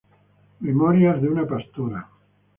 Memorias de una pastora.".